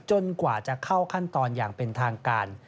กว่าจะเข้าขั้นตอนอย่างเป็นทางการ